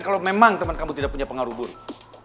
kalau memang teman kamu tidak punya pengaruh buruk